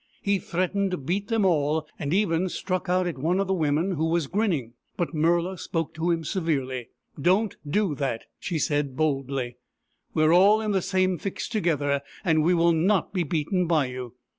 He threatened to beat them all, and even struck out at one of the women who was grinning, but Murla spoke to him severely. " Don't do that !" she said boldly. " We are all in the same fix together, and we will not be beaten by you.